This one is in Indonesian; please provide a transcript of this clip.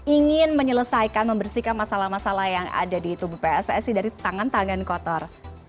ingin menyelesaikan membersihkan masalah masalah yang ada di tubuh pssi dari tangan tangan kotor